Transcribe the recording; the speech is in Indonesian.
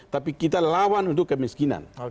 tapi kita lawan untuk kemiskinan